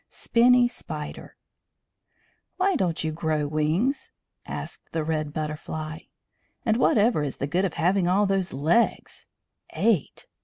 SPINNY SPIDER "Why don't you grow wings?" asked the Red Butterfly. "And whatever is the good of having all those legs? Eight!